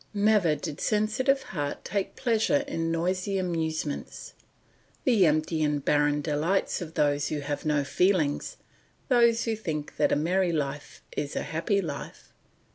Never did sensitive heart take pleasure in noisy amusements, the empty and barren delights of those who have no feelings, those who think that a merry life is a happy life.